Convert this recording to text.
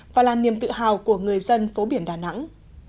và là niềm tự hào của người dân phố biển đà nẵng